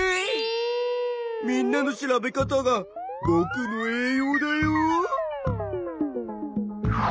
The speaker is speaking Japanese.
みんなの調べ方がぼくの栄養だよ。